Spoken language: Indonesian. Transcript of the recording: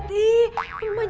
ma pun man